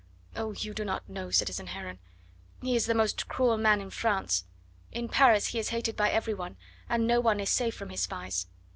Oh! you do not know citizen Heron. He is the most cruel man in France. In Paris he is hated by every one, and no one is safe from his spies.